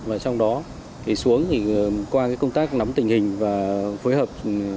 và trong đó xuống qua công tác nắm tình hình và phối hợp